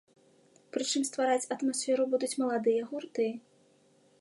Прычым ствараць атмасферу будуць маладыя гурты.